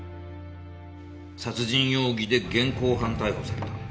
殺人容疑で現行犯逮捕された。